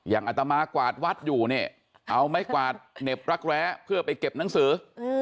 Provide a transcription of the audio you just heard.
อัตมากวาดวัดอยู่เนี่ยเอาไม้กวาดเหน็บรักแร้เพื่อไปเก็บหนังสือ